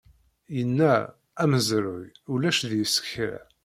Yenna:amezruy ulac deg-s kra.